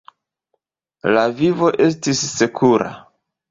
La vivo estis sekura.